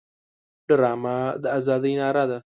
ډرامه د ازادۍ ناره ده